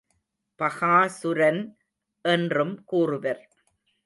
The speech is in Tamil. பகாசூரன் என்றும் கூறுவர்.